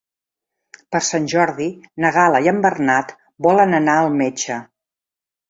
Per Sant Jordi na Gal·la i en Bernat volen anar al metge.